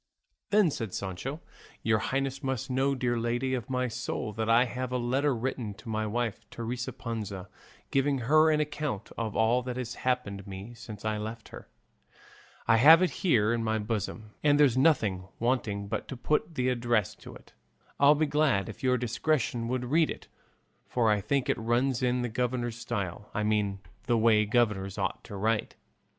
Then said Sancho, "Your highness must know, dear lady of my soul, that I have a letter written to my wife, Teresa Panza, giving her an account of all that has happened me since I left her; I have it here in my bosom, and there's nothing wanting but to put the address to it; I'd be glad if your discretion would read it, for I think it runs in the governor style; I mean the way governors ought to write."